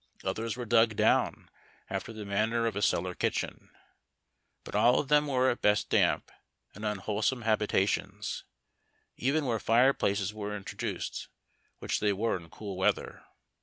others were dug down after the manner of a celhir kitchen ; but all of them were at best damp and unwholesome habi tations — even where fireplaces were introduced, which they were in cool weather.